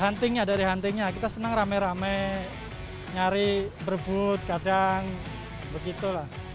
huntingnya dari huntingnya kita senang rame rame nyari berbut kadang begitulah